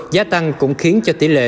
giá tăng cũng khiến cho tỷ lệ